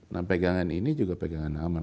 nah pegangan ini juga pegangan aman